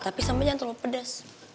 tapi sambal jangan terlalu pedas